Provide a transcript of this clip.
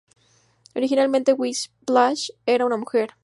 Originalmente Whiplash era una mujer.